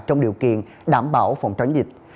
trong điều kiện đảm bảo phòng tránh dịch